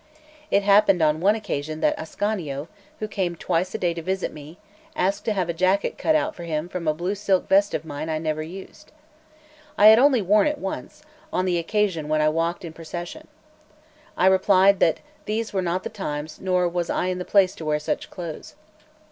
It happened on one occasion that Ascanio, who came twice a day to visit me, asked to have a jacket cut out for him from a blue silk vest of mine I never used. I had only worn it once, on the occasion when I walked in procession. I replied that these were not the times nor was I in the place to wear such clothes.